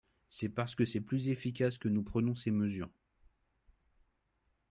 C’est parce que c’est plus efficace que nous prenons ces mesures.